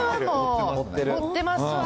持ってます。